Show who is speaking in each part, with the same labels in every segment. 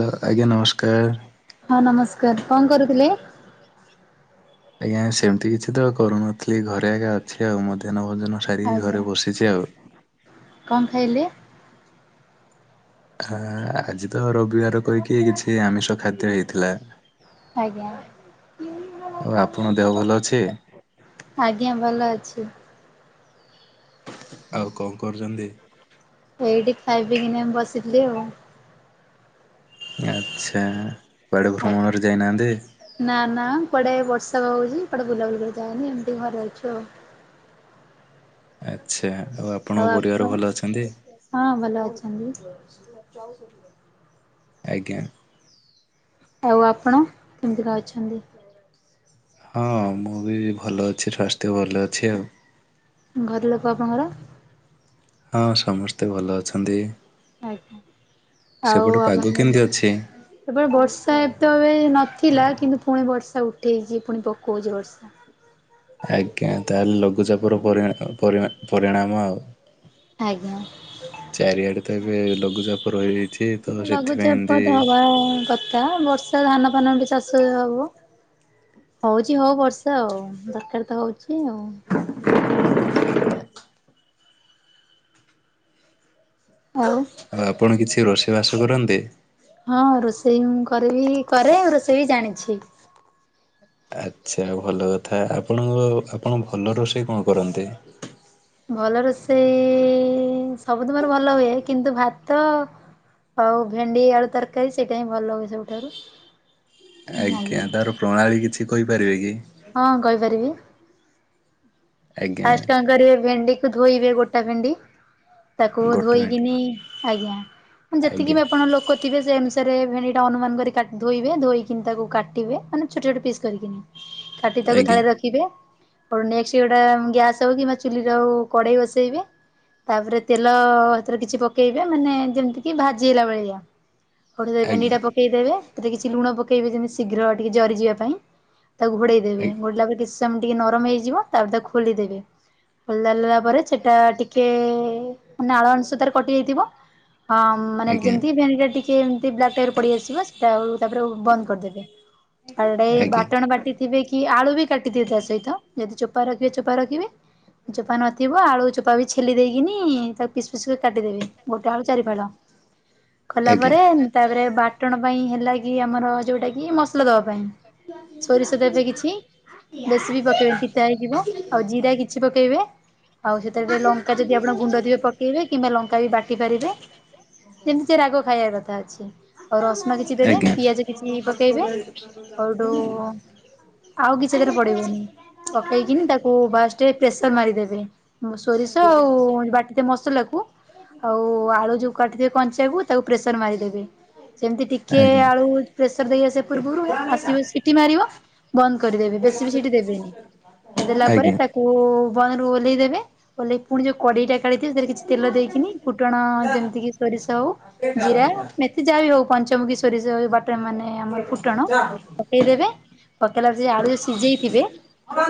Speaker 1: Hello ଆଜ୍ଞା ନମସ୍କାର।
Speaker 2: ହଁ ନମସ୍କାର। କଣ କରୁଥିଲେ?
Speaker 1: ଆଜ୍ଞା ସେମିତି କିଛି ତ କରୁନଥିଲି। ଘରେ ଆଜ୍ଞା ଅଛି ଆଉ ମୋତେ ମଧ୍ୟ୍ୟାନ ଭୋଜନ ସାରି
Speaker 2: ଆଜ୍ଞା
Speaker 1: ଘରେ ବସିଚି ଆଉ।
Speaker 2: କଣ ଖାଇଲେ?
Speaker 1: ହଁ ଆଜି ତ ରବିବାର କହିକି କିଛି ଆମିଷ ଖାଦ୍ୟ ହେଇଥିଲା।
Speaker 2: ଆଜ୍ଞା
Speaker 1: ଆଉ ଆପଣଙ୍କ ଦେହ ଭଲ ଅଛି?
Speaker 2: ଆଜ୍ଞା ଭଲ ଅଛି।
Speaker 1: ଆଉ କଣ କରୁଛନ୍ତି?
Speaker 2: ଏଇଠି ଖାଇ ପିଇ କିନା ବସିଥିଲି ଆଉ।
Speaker 1: ଆଛା କୁଆଡ଼େ
Speaker 2: ଆଜ୍ଞା
Speaker 1: ଭ୍ରମଣରେ ଯାଇନାହାନ୍ତି?
Speaker 2: ନା ନା କୁଆଡେ ବର୍ଷା ହଉଚି କୁଆଡେ ବୁଲାବୁଲି କରି ଯାଏନି ଏମିତି ଘରେ ଅଛୁ ଆଉ।
Speaker 1: ଆଛା ଆଉ ଆପ
Speaker 2: ଆଉ ଆପଣ ହଁ ଭଲ ଅଛନ୍ତି।
Speaker 1: ଆଜ୍ଞା।
Speaker 2: ଆଉ ଆପଣ କେମିତିକା ଅଛନ୍ତି?
Speaker 1: ହଁ ମୁଁ ବି ଭଲ ଅଛି ସ୍ୱାସ୍ଥ୍ୟ ଭଲ ଅଛି ଆଉ।
Speaker 2: ଘର ଲୋକ ଆପଣଙ୍କର
Speaker 1: ହଁ ସମସ୍ତେ ଭଲ ଅଛନ୍ତି
Speaker 2: ଆଜ୍ଞା ଆଉ
Speaker 1: ସେପଟେ ପାଗ
Speaker 2: ଆପଣଙ୍କ
Speaker 1: କେମତି ଅଛି?
Speaker 2: ଏପଟେ ବର୍ଷା ଏତ ଅବେ ନଥିଲା କିନ୍ତୁ ପୁଣି ବର୍ଷା ଉଠେଇଚି ଫୁଣି ପକଉଚି ବର୍ଷା।
Speaker 1: ଆଜ୍ଞା ତାହେଲେ ଲଘୁଚାପର ପରିଣା ପରି ପରିଣାମ ଆଉ।
Speaker 2: ଆଜ୍ଞା।
Speaker 1: ଚାରିଆଡେ ତ ଏବେ ଲଘୁଚାପ ରହିଯାଇଚି ତ ସେଥିପାଇଁ ଏମତି
Speaker 2: ଏନ୍ତୀ ହବା କଥା ବର୍ଷ ସେ ଧାନ ଫାନ ବି ଚାଷ ହୁଏ ହବ। ହଉଚି ହଉ ବର୍ଷା ଆଉ ଦରକାର ତ ହଉଚି ଆଉ। ଆଉ
Speaker 1: ଆଉ ଆପଣ କିଛି ରୋଷେଇ ବାସ କରନ୍ତି?
Speaker 2: ହଁ ରୋଷେଇ ମୁଁ କରିବି କରେ ରୋଷେଇ ବି ଜାଣିଚି।
Speaker 1: ଆଛା ଭଲ କଥା ଆପଣଙ୍କ ଆପଣ ଭଲ ରୋଷେଇ କଣ କରନ୍ତି?
Speaker 2: ଭଲ ରୋଷେଇ ସବୁ ତମର ଭଲ ହୁଏ କିନ୍ତୁ ଭାତ ଆଉ ଭେଣ୍ଡି ଆଳୁ ତରକାରୀ ସେଇଟା ହିଁ ଭଲ ହୁଏ ସବୁଠାରୁ
Speaker 1: ଆଜ୍ଞା ତାର ପ୍ରଣାଳୀ କିଛି କହିପାରିବେ କି?
Speaker 2: ହଁ କହିପାରିବି।
Speaker 1: ଆଜ୍ଞା
Speaker 2: ଫାଷ୍ଟ କଣ କରିବେ ଭେଣ୍ଡି କୁ ଧୋଇବେ ଗୋଟା ଭେଣ୍ଡି ତାକୁ
Speaker 1: ଗୋଟେ ମିନିଟ୍
Speaker 2: ଧୋଇକିନି ଆଜ୍ଞା ମୁଁ ଯେତିକି
Speaker 1: ଆଜ୍ଞା
Speaker 2: ବି ଆପଣ ଲୋକ ଥିବେ ସେ ଅନୁସାରେ ଭେଣ୍ଡି ଟା ଅନୁମାନ କରି ଧୋଇବେ ଧୋଇକି ତାକୁ କାଟିବେ ମାନେ ଛୋଟ ଛୋଟ ପିସ୍ କରିକିନି। କାଟି ତାକୁ
Speaker 1: ଆଜ୍ଞା
Speaker 2: ଥାଳିରେ ରଖିବେ ଆଉ ନଷ୍ଟେ ୟର ସେଟା ଗ୍ୟାସ ହୋଉ କିମ୍ବା ଚୁଲି ହୋଉ କଡେଇ ବସେଇବେ ତାପରେ ତେଲ ସେଥିରେ କିଛି ପକେଇବେ ମାନେ ଯେମିତି କି ଭାଜି ହେଲା ଭଳିଆ। ଆଉ ଦେବେନୀ
Speaker 1: ଆଜ୍ଞା।
Speaker 2: ଏଇଟା ପକେଇଦେବେ ସେଥିରେ କିଛି ଲୁଣ ପକେଇବେ ଯେମିତି ଶୀଘ୍ର ଟିକେ ଜରିଯିବା ପାଇଁ। ତାକୁ ଘୋଡ଼େଇ
Speaker 1: ଆ
Speaker 2: ଦେବେ ଘୋଡିଲା ପରେ କିଛି ସମୟ ଟିକେ ନରମ ହେଇଯିବ। ତାପରେ ତାକୁ ଖୋଲିଦେବେ ଖୋଲିଦେଲା ପରେ ସେଟା ଟିକେ ନାଳ ଅଂଷ ତାର କଟି ଯାଇଥିବ ହଁ ମାନେ
Speaker 1: ଆଜ୍ଞା
Speaker 2: ଯେମିତି ଭେଣ୍ଡି ଟା‌ ଟିକେ ଏମିତି ବ୍ଲାକ ଟାଇପିର ପଡ଼ିଆସିବ ସେଟା ଆଉ ତାପରେ ବନ୍ଦକରି ଦେବେ ଆଉ ଏଟା
Speaker 1: ଆଜ୍ଞା
Speaker 2: ଏଇବାଟଣ ବାଟ କାଟିଥିବେ କି ଆଳୁ ବି କାଟିଥିବେ ତା ସହିତ ଯଦି ଚୋପା ରଖିବେ ଚୋପା ରଖିବେ। ଚୋପା ନଥିବ ଆଳୁ ଚୋପା ବି ଛେଲି ଦେଇକିନି ତାକୁ ପିସ୍ ପିସ୍ କାଟିଦେବେ ଗୋଟେ ଆଳୁ ଚାରି ଫାଳ।
Speaker 1: [inaudible]
Speaker 2: କଲାପରେ ତାପରେ ବାଟଣ ପାଇଁ ହେଲା କି ଆମର ଯେଉଁଟା କିି ମସଲା ଦେବା ପାଇଁ। ସୋରିଷ ଦେବେ କିଛି ବେଶୀ ବି ପକେଇ ବେନି ପି ଆଉ ଜିରା କିଛି ପକେଇବେ ଆଉ ସେଥିରେ ଲଙ୍କା ଯଦି ଆପଣ ଗୁଣ୍ଡ ଥିବ ପକେ କିମ୍ବା ଲଙ୍କା ବି ବାଟି ପାରିବେ ଯେମିତି ସେ ରାଗ ଖାଇବାର କଥା ଅଛି। ଆଉ ରସୁଣ କିଛି ଦେବେ
Speaker 1: ଆଜ୍ଞା
Speaker 2: ପିଆଜ କିଛି ପକେଇବେ ଆଉଠୁ ଆଉ କିଛି ତାର ପଡିବନି ପକେଇକିନି ତାକୁ ଫାଷ୍ଟ ପ୍ରେସର ମାରିଦେବେ। ମୁଁ ସୋରିଷ ଆଉ ବାଟିଥିବ ମସଲା କୁ ଆଉ ଆଳୁ ଯୋଉ କାଟିଥିବ କଞ୍ଚାକୁ ତାକୁ ପ୍ରେସର ମାରିଦେବେ ଯେମିତି ଟିକେ
Speaker 1: ଆଜ୍ଞା
Speaker 2: ଆଳୁ ପ୍ରେସର ଦେଇ ଆସିବା ପୂର୍ବରୁ ଆସିବ ସିଏ। ସିଟି ମାରିବ ବନ୍ଦ କରିଦବେ ବେଶୀ ବି ସିଟି ଦେବେନି ଦେଲା ପରେ
Speaker 1: ଆଜ୍ଞା।
Speaker 2: ତା। କୋ ବଣରୁ ଓହ୍ଲେଇ ଦେବେ ଓହ୍ଲେଇ। ପୁଣି ଯୋଉ କଡ଼େଇଟା କାଢିଥିବ ସେଥିରେ କିଛି ତେଲ ଦେଇକିନି ଫୁଟଣ ଯେମିତିକି ସୋରିଷ ଆଉ। ଜିରା, ମେଥି ଯାହା ବି ହଉ ପଞ୍ଚମୁଖୀ ସୋରିଷ ବାଟେ ମାନେ ଆମର ଫୁଟଣ। ପକେଇଦେବେ ପକେଇଲା ସେ ଆଳୁ ଯଉ ସିଝେଇ ଥିବେ।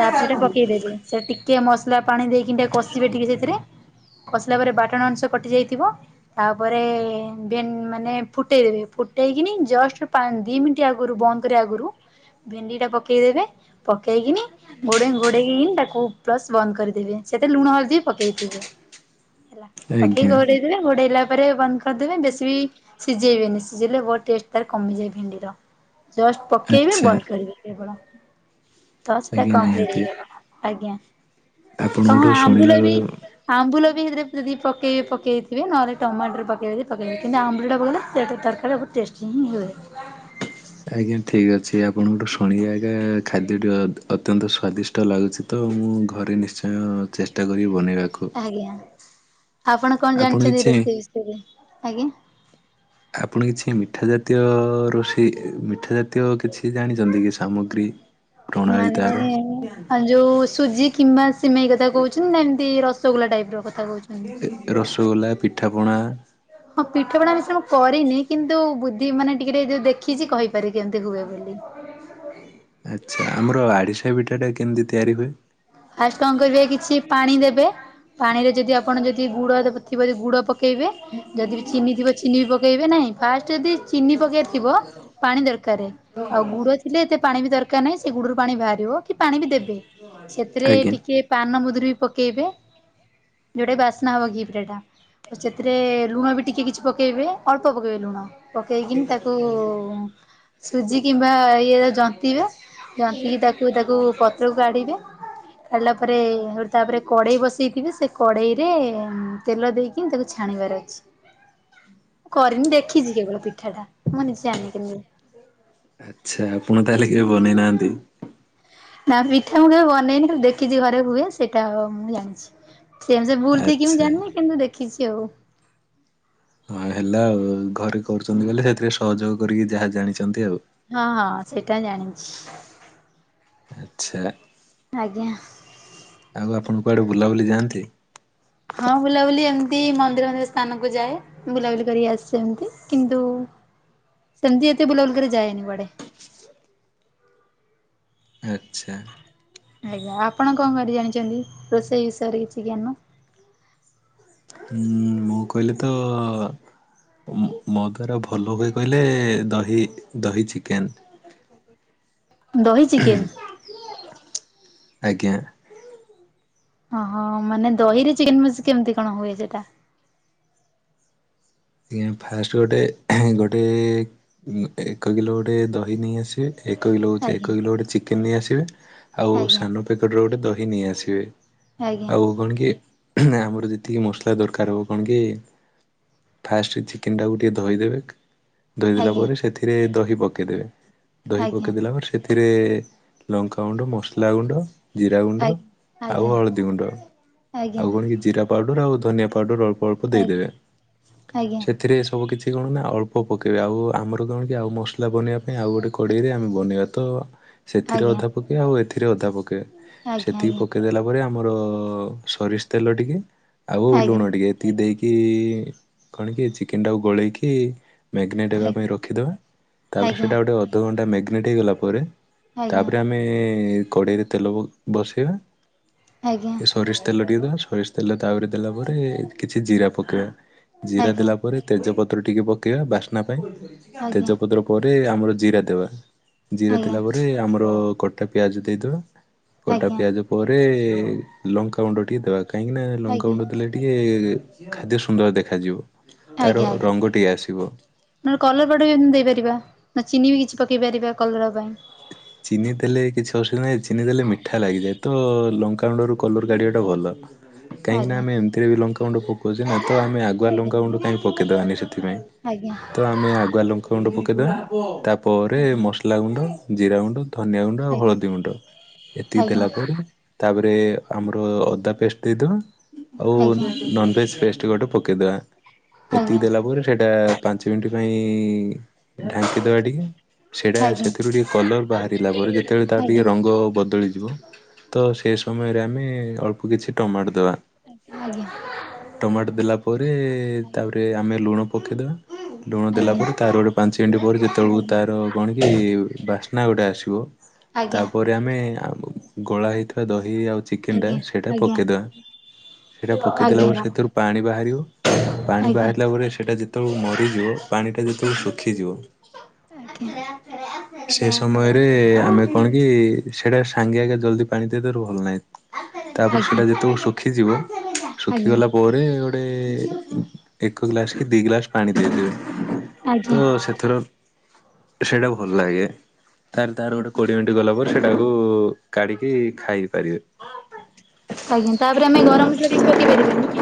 Speaker 2: ତାପରେ ପକେଇଦେବେ ସେ ଟିକେ ମସଲା ପାଣି ଦେଇକି ନା ଟିକେ କଷିବେ ଟିକେ ସେଥିରେ। କସିଲା ପରେ ବାଟଣ ଅଂଶ କଟି ଯାଇଥିବ। ତାପରେ ଦେନେ ମାନେ ଫୁଟେଇ ଦେବେ ଫୁଟେଇକିନି ଜଷ୍ଟ ପା ଦି ମିନିଟ୍ ଆଗୁରୁ ବନ୍ଦ। [inaudible] କରି ଆଗୁରୁ ଭେଣ୍ଡି ଟା ପକେଇଦବେ ପକେଇକିନି ଘୋଡେନି ଘୋଡେଇକି ତାକୁ। ପ୍ଲସ ବନ୍ଦ କରିଦେବେ ସେଠି ଲୁଣ, ହଳଦୀ ପକେଇଥିବେ ପକେଇ
Speaker 1: ଆଜ୍ଞା
Speaker 2: କି ଘୋଡେଇ। ହେଲେ ଘୋଡେଇଲା ପରେ ବନ୍ଦ କରିଦେବେ ବେଶୀ ବି। ସିଝେଇବେନି ସିଝେଇଲେ ବହୁ ଟେଷ୍ଟ ତାର କମିଯାଏ ଭେଣ୍ଡିର ଜଷ୍ଟ ପକେଇବେ
Speaker 1: ଆଚ୍ଛା
Speaker 2: ବନ୍ଦ କରିବେ। ସେ କ'ଣ ପ୍ଲସ ଥ୍ରୀ ଟା
Speaker 1: ଆଜ୍ଞା
Speaker 2: କମ୍ପ୍ଲିଟି
Speaker 1: ନିହାତି।
Speaker 2: ହେଇଗଲା ଆଜ୍ଞା। ତମ
Speaker 1: ଆପଣଙ୍କଠୁ
Speaker 2: ଆମ୍ବୁଲ
Speaker 1: ଶୁଣିଲା
Speaker 2: ବି। ଆମ୍ବୁଲ ବି ସେଥିରେ ଯଦି ପକେଇ ପକେଇଥିବେ ନହେଲେ ଟମାଟର ପକେଇବେ ଯଦି ପକେଇ କିନ୍ତୁ ଆମ୍ବୁଲଟା ପକେଇଲେ ସେଟା ତରକାରୀ ଟା। ଟେଷ୍ଟି ହିଁ ହୁଏ।
Speaker 1: ଆଜ୍ଞା ଠିକ୍ ଅଛି ଆପଣଙ୍କଠୁ ଶୁଣେ ଆଜ୍ଞା ଖାଦ୍ୟଟି ଅତ୍ୟନ୍ତ ସ୍ଵାଦିଷ୍ଟ। ଶୀତ ଲାଗୁଛି ତ ମୁଁ ଘରେ ନିଶ୍ଚୟ ଚେଷ୍ଟା କରିବି ବନେଇବାକୁ।
Speaker 2: ଆଜ୍ଞା ଆପଣ କ'ଣ ଜାଣିଛନ୍ତି ରୋଷେଇ ବିଷୟରେ ଆଜ୍ଞା।
Speaker 1: ଆପଣ କିଛି ମିଠା ଜାତୀୟ ରୋଷେଇ ମିଠା ଜାତୀୟ କିଛି ଜାଣିଛନ୍ତି କି ସାମଗ୍ରୀ। [unintelligible]
Speaker 2: ମାନେ
Speaker 1: ତାର
Speaker 2: ହଁ ନେ। ଯୋଉ ସୁଜି କିମ୍ବା ସିମେଇ କଥା କହୁଛୁ ନା ଏମିତି ରସଗୋଲା ଟାଇପ୍ ର କଥା କହୁଛୁ।
Speaker 1: ତେ ରସଗୋଲା, ପିଠାପଣା।
Speaker 2: ହଁ ପିଠା ପଣା ଅବଶ୍ୟ ମୁଁ କରିନି କିନ୍ତୁ ବୁଦ୍ଧି ମାନେ ଟିକେ ଟିକେ ଯଉ ଦେଖିଛି କହିବି। ପାରି କେମିତି ହୁଏ ବୋଲି।
Speaker 1: ଆଚ୍ଛା ଆମର ଆରିଷା ପିଠାଟା କେମିତି ତିଆରି ହୁଏ।
Speaker 2: ଫାଷ୍ଟେ କ'ଣ କରିବେ କିଛି ପାଣି ଦେବେ ପାଣି ରେ ଯଦି ଆପଣ ଯଦି ଗୁଡଥିବ ଯଦି ଗୁଡ ପ। ପକେଇବେ ଯଦି ଚିନି ଥିବ ଚିନି ବି ପକେଇ ବେ ନାହିଁ ଫାଷ୍ଟେ ଯଦି। ଚିନି ପକେଇବାର ଥିବ ପାଣି ଦରକାର ଆଉ ଗୁଡ। ଏତେ, ଏତେ ପାଣି ବି ଦରକାର ନାହିଁ ସେ ଗୁଡୁ ରୁ ପାଣି ବାହାରିବ କି ପାଣି ବି ଦେବେ। ସେଥିରେ
Speaker 1: ଆଜ୍ଞା
Speaker 2: ଟିକେ ପାନମଧୁରି ବି ପକେଇବେ ଯୋଉଟା କି ବାସ୍ନା ହବ ଘି ପିଠା ଟା। ସେଥିରେ ଲୁଣ ବି ଟିକେ କିଛି ପକେଇବେ ଅଳ୍ପ ପକେଇବେ ଲୁଣ। ପକେଇକିନି ତାକୁ ସୁଜି କିମ୍ବା ଇଏ ରେ ଯନ୍ତିଵେ। ଜନ୍ତିକି ତାକୁ, ତାକୁ ପତ୍ରକୁ କାଢିବେ। କାଢ଼ିଲା ପରେ ତାପରେ କଡ଼େଇ ବସାଇଥିବେ ସେ କଡ଼େଇରେ ତେଲ ଦେଇକି ତାକୁ ଛାଣିବାର ଅଛି।
Speaker 1: [unintelligible]
Speaker 2: କରିନି ଦେଖିଛି କେବଳ ପିଠା ଟା ମୁଁ ନିଜେ ଜାଣିନି କେମିତି।
Speaker 1: ଆଚ୍ଛା ଆପଣ ତାହେଲେ କେବେ ବନେଇନାହାନ୍ତି।
Speaker 2: ନା ପିଠା ମୁଁ କେବେ ବନେଇନି ଖାଲି ଦେଖିଛି ଘରେ ହୁଏ ସେଇଟା ମୁଁ ଜାଣିଛି। ସେମ୍ ସେ ଭୁଲ୍ ଠିକି ମୁଁ
Speaker 1: ଆଚ୍ଛା
Speaker 2: ଜାଣିନି କିନ୍ତୁ ଦେଖିଛି ଆଉ।
Speaker 1: ହଁ ହେଲା ଆଉ ଘରେ କରୁଛନ୍ତି ବୋଲେ ସେଥିରେ ସହଯୋଗ କରିକି ଯାହା ଜାଣିଛନ୍ତି ଆଉ।
Speaker 2: ହଁ, ହଁ ସେଇଟା ଜାଣିଛି।
Speaker 1: ଆଚ୍ଛା।
Speaker 2: ଆଜ୍ଞା।
Speaker 1: ଆଉ ଆପଣ କୁଆଡ଼େ ବୁଲାବୁଲି ଯାଆନ୍ତି?
Speaker 2: ହଁ ବୁଲାବୁଲି ଏମିତି ମନ୍ଦିର ମନ୍ଦିର ସ୍ଥାନକୁ ଯାଏ। ବୁଲାବୁଲି କରି ଆସେ ଏମିତି କିନ୍ତୁ ସେମତି ଏତେ ବୁଲାବୁଲି କରି ଯାଏନି କୁଆଡେ।
Speaker 1: ଆଚ୍ଛା।
Speaker 2: ଆଜ୍ଞା ଆପଣ କଣ କରି ଜାଣିଛନ୍ତି ରୋଷେଇ ବିଷୟରେ କିଛି ଜ୍ଞାନ?
Speaker 1: ହୁଁ ମୁଁ କହିଲି ତ ମୋ ଦ୍ଵାରା ଭଲ ହୁଏ କହିଲେ ଦହି ଦହି ଚିକେନ।
Speaker 2: ଦହି ଚିକେନ୍।
Speaker 1: ଆଜ୍ଞା।
Speaker 2: ଓହୋ ମାନେ ଦହିରେ ଚିକେନ ମିଶି କେମିତି କଣ ହୁଏ ସେଟା?
Speaker 1: ଆଜ୍ଞା ଫାଷ୍ଟ ଗୋଟେ ଗୋଟେ ଏକ କିଲୋ ଗୋଟେ ଦହି ନେଇଆସିବେ। ଏକ କିଲୋ ହେଉଛି
Speaker 2: ଆଜ୍ଞା
Speaker 1: ଏକ କିଲୋ ଗୋଟେ ଚିକେନ ନେଇ ଆସିବେ ଆଉ
Speaker 2: ଆଜ୍ଞା
Speaker 1: ସାନ ପେକେଟର ଗୋଟେ ଦହି ନେଇ ଆସିବେ।
Speaker 2: ଆଜ୍ଞା
Speaker 1: ଆଉ କଣ କି ନା ଆମର ଯେତିକି ମସଲା ଦରକାର ହବ କଣ କି ଫାଷ୍ଟ ଚିକେନଟାକୁ ଟିକେ ଧୋଇଦେବେ ଧୋଇଦେଲା
Speaker 2: ଆଜ୍ଞା
Speaker 1: ପରେ ସେଥିରେ ଦହି ପକେଇଦେବେ। ଦହି
Speaker 2: ଆଜ୍ଞା
Speaker 1: ପକେଇ ଦେଲା ପରେ ସେଥିରେ ଲଙ୍କା ଗୁଣ୍ଡ, ମସଲା ଗୁଣ୍ଡ, ଜିରା ଗୁଣ୍ଡ ଆଉ
Speaker 2: ଆଜ୍ଞା
Speaker 1: ହଳଦୀ ଗୁଣ୍ଡ
Speaker 2: ଆଜ୍ଞା
Speaker 1: ଆଉ କଣ କି ଜିରା ପାଉଡର ଆଉ ଧନିଆ ପାଉଡର ଅଳ୍ପ
Speaker 2: ଆଜ୍ଞା ଆଜ୍ଞା।
Speaker 1: ଏଥିରେ ସବୁ କିଛି କଣ ନା ଅଳ୍ପ ପକାଇବେ ଆଉ ଆମର କଣ କି ଆଉ ମସଲା ବନେଇବା ପାଇଁ ଆଉ ଗୋଟେ କଡ଼େଇରେ ଆମେ ବନେଇବା। ତ ସେଥିରେ
Speaker 2: ଆଜ୍ଞା
Speaker 1: ଅଧା ପକେଇବା ଆଉ ଏଥିରେ ଅଧା ପକେଇବା
Speaker 2: ଆଜ୍ଞା
Speaker 1: ସେତିକି ପକେଇ ଦେଲା ପରେ ତାପରେ ଆମର ସୋରିଷ ତେଲ ଟିକେ ଆଉ ଲୁଣ
Speaker 2: ଆଜ୍ଞା
Speaker 1: ଟିକେ ଏତିକି ଦେଇକି କଣ କି ଚିକେନ ଟାକୁ ଗୋଳେଇକି ମ୍ୟାଗିନେଟ ହେବା ପାଇଁ ରଖିଦବା ତାପରେ
Speaker 2: ଆଜ୍ଞା
Speaker 1: ସେଇଟା ଗୋଟେ ଅଧଘଣ୍ଟା ମ୍ୟାଗେନେଟ ହେଇଗଲା ପରେ
Speaker 2: ଆଜ୍ଞା ଆଜ୍ଞା
Speaker 1: ତାପରେ ଆମେ ଆମେ କଢେଇରେ ତେଲ ବସେଇବା
Speaker 2: ଆଜ୍ଞା ଆଜ୍ଞା ଆଜ୍ଞା ଆଜ୍ଞା
Speaker 1: ସୋରିଷ ତେଲ ଟିକେ ଦବା ସୋ ତେଲ ତାପରେ ଦେଲା ପରେ କିଛି ଜିରା ପକେଇବା ଜିରା ଦେଲା ପରେ ତେଜପତ୍ର ଟିକେ ପକେଇବା ବାସ୍ନା ପାଇଁ। ତେଜପତ୍ର ପରେ ଆମର ଜିରା ଦେବା। ଜିରା ଦେଲା ପରେ ଆମର କଟା ପିଆଜ ଦେଇଦବା। କଟା
Speaker 2: ଆଜ୍ଞା ଆଜ୍ଞା ଆଜ୍ଞା
Speaker 1: ପିଆଜ ପରେ ଲଙ୍କା ଗୁଣ୍ଡ ଟିକେ ଦେବା କାହିଁକି ନା ଲଙ୍କା ଗୁଣ୍ଡ ଦେଲେ ଟିକେ ଖାଦ୍ୟ ସୁନ୍ଦର ଦେଖାଯିବ ତାର ରଙ୍ଗ ଟିକେ ଆସିବ।
Speaker 2: ନ କଲର ବାଡ ବି ଏମିତି ଦେଇପାରିବା ନା ଚିନି ବି କିଛି ପକେଇ ପାରିବା କଲର ପାଇଁ।
Speaker 1: ଚିନି ଦେଲେ କିଛି [unintelligible] ଚିନି ଦେଲେ ମିଠା ଲାଗିଯାଏ ତ ଲଙ୍କା ଗୁଣ୍ଡରୁ
Speaker 2: ଆଜ୍ଞା
Speaker 1: କଲର କାଢିବାଟା ଭଲ। କାହିଁକି ନା
Speaker 2: ଆଜ୍ଞା
Speaker 1: ଆମ ଏମତିରେ ବି ଲଙ୍କା ଗୁଣ୍ଡ ପକଉଛି ନା ତ ଆମେ ଆଗୁଆ
Speaker 2: ଆଜ୍ଞା
Speaker 1: ଲଙ୍କା ଗଣ୍ଡ କାହିଁ ପକେଇଦବାନି ସେଥି ପାଇଁ।
Speaker 2: ଆଜ୍ଞା
Speaker 1: ତ ଆମେ ଆଗୁଆ ଲଙ୍କା ଗୁଣ୍ଡ ପକେଇଦବା ତାପରେ
Speaker 2: ଆଜ୍ଞା
Speaker 1: ମସଲା ଗୁଣ୍ଡ ଜିରା ଗୁଣ୍ଡ ଧନିଆ ଗୁଣ୍ଡ ଆଉ
Speaker 2: ଆଜ୍ଞା
Speaker 1: ହଳଦୀ ଗୁଣ୍ଡ ଏତିକି
Speaker 2: ଆଜ୍ଞା
Speaker 1: ଦେଲା ପରେ ତାପରେ ଆମର ଅଦା ପେଷ୍ଟ ଦେଇଦବା। ଆଉ
Speaker 2: ଆଜ୍ଞା
Speaker 1: ନନଭେଜ୍ ଫେଷ୍ଟ ଗୋଟେ ପକେଇଦବା। ଏତିକି
Speaker 2: ଆଜ୍ଞା
Speaker 1: ଦେଲା ପରେ ସେଇଟା ପାଞ୍ଚ ମିନିଟ୍ ପାଇଁ ଢାଙ୍କିଦବା ଟିକେ ସେଇଟା
Speaker 2: ଆଜ୍ଞା
Speaker 1: ସେଥିରୁ ଟିକେ କଲର୍ ବାହାର ଥିଲା ପରେ ଯେତେବେଳେ ତାର ଟିକେ
Speaker 2: ଆଜ୍ଞା
Speaker 1: ର ଙ୍ଗ ବଦଳିଯିବ ତ ସେ ସମୟରେ ଆମେ ଅଳ୍ପ କିଛି ଟମାଟୋ ଦେବା।
Speaker 2: ଆଜ୍ଞା।
Speaker 1: ଟମାଟୋ ଦେଲା ପରେ ତାପରେ ଆମେ ଲୁଣ ପକେଇଦବା। ଲୁଣ ଦେଲା
Speaker 2: ଆଜ୍ଞା
Speaker 1: ପରେ ତାର ଗୋଟେ ପାଞ୍ଚ ମିନିଟ ପରେ ଯେତେବେଳକୁ ତାର କଣ କି ବାସ୍ନା ଗୋଟେ ଆସିବ
Speaker 2: ଆଜ୍ଞ
Speaker 1: ତାପରେ ଆମେ ଗଳା ହେଇଥିବା ଦହି ଆଉ ଚିକେନଟା
Speaker 2: ଆଜ୍ଞା
Speaker 1: ସେଇଟା ପକାଇଦେବା। ସେଇଟା
Speaker 2: ଆଜ୍ଞା
Speaker 1: ପକେଇ ଦେେଲା ପରେ
Speaker 2: ଆଜ୍ଞା
Speaker 1: ସେଥିରୁ ପାଣି ବାହାରିବ। ପାଣି
Speaker 2: ଆଜ୍ଞା
Speaker 1: ବାହାରିଲା ପରେ ସେଟା ଯେ- - ତେବେଳ ମରିଯିବ। ପାଣି ଟା ଯେତେବେଳେ ଶୁଖିଯିବ ସେ ସମୟରେ ରେ ଆମେ କଣ କି ସେଇଟା ସାଙ୍ଗେ ଆଗେ ଜଲଦି ପାଣି ଦେଇଦାରୁୁ ଭଲ ନାହିଁ।
Speaker 2: ଆଜ୍ଞା
Speaker 1: ତାପରେ
Speaker 2: ଆଜ୍ଞା
Speaker 1: ସେଇଟା ଯେତେବେଳେ ଶୁଖିଯିବ ଶୁଖିଗଲା ପରେ ଗୋ - - ଟେ ଏକ ଗ୍ଲାସ କି ଦିଗ୍ଲାସ- - ପାଣି ଦେଇଦିବେ।
Speaker 2: ଆଜ୍ଞା
Speaker 1: ତ ସେଥିର ସେଇଟା ଭଲ ଲାଗେ। ତାହେଲେ ତାର ଗୋଟେ କୋଡିଏ ମିନିଟ ଗଲା ପରେ ସେଟାକୁ କାଢିକି ଖାଇ ପାରିବେ।
Speaker 2: ଆଜ୍ଞା, ତାପରେ ଆମେ ଗରମ ମସଲା କିଛି ପକେଇ ପାରିବେନି?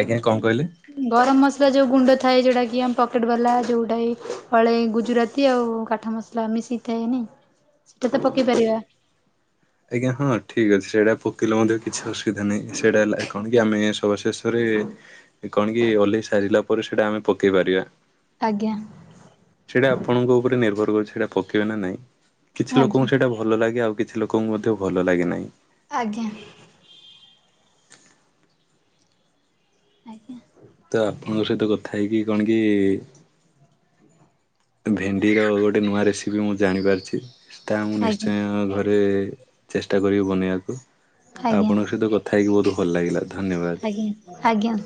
Speaker 1: ଆଜ୍ଞା କଂ କହିଲେ?
Speaker 2: ଗରମ ମସଲା ଯୋଉ ଗୁଣ୍ଡ ଥାଏ। ଯଉଟା କି ଆମ ପକେଟ ବାଲା ଯଉଟା ହ ହଳେଇ ଗୁଜୁରାତି ଆଉ କାଠ ମସ- - ଲା ମିଶି ଥାଏନି।
Speaker 1: ହ
Speaker 2: ସେଟା ତ ପକେଇ ପାରିବା।
Speaker 1: ଆଜ୍ଞା ହଁ ଠିକ ଅଛି। ସେଇଟା ପକେଇଲେ ମଧ୍ୟ କିଛି ଅସୁବିଧା ନାହିଁ। ସେଇଟା ହେଲା - - କଣ କି ଆମେ ସବାଶେଷରେ କଣ କି ଓହ୍ଲେଇ ସାରିଲା ପରେ ସେଇଟା ଆମେ ପକେଇ ପାରିଆ।
Speaker 2: ଆଜ୍ଞା।
Speaker 1: ସେଇଟା ଆପଣଙ୍କ ଉପରେ ନିର୍ଭର କରୁଚି ସେଇଟା ପକେଇବେ ନା ନାଇଁ।
Speaker 2: ଆଜ୍ଞା
Speaker 1: କିଛି
Speaker 2: ଆଜ୍ଞା
Speaker 1: ଲୋକଙ୍କୁ ସେଇଟା - - ଭଲ ଲାଗେ ଆଉ କିଛି ଲୋକଙ୍କୁ ମଧ୍ୟ ଭଲ ଲାଗେ ନାହିଁ।
Speaker 2: ଆଜ୍ଞା। ଆଜ୍ଞା।
Speaker 1: ତ ଆପଣଙ୍କ ସହିତ କଥା ହେଇକି କଣ କି- - ଭେଣ୍ଡିର ଗୋଟେ ନୂଆ ରେସିପି ମୁଁ ଜାଣିପାରିଚି। ତା ମୁଁ
Speaker 2: ଆଜ୍ଞା
Speaker 1: ନିଶ୍ଚୟ ଘରେ ଚେଷ୍ଟା କରିବି ବନେଇବାକୁ। ଆଉ
Speaker 2: ଆଜ୍ଞା
Speaker 1: ଆପଣଙ୍କ ସହିତ କ- - ଥା ହେଇକି ବହୁତ ଭଲ ଲାଗିଲା। ଧନ୍ୟବାଦ।
Speaker 2: ଆଜ୍ଞା, ଆଜ୍ଞା।